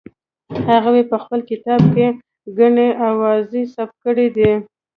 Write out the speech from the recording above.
هغه په خپل کتاب کې ګڼې اوازې ثبت کړې دي.